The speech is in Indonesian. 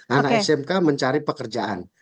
anak smk mencari pekerjaan